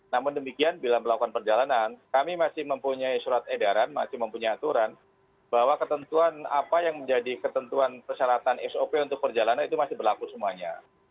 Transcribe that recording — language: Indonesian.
namun demikian bila melakukan perjalanan kami masih mempunyai surat edaran masih mempunyai aturan bahwa ketentuan apa yang menjadi ketentuan persyaratan sop untuk perjalanan itu masih berlaku semuanya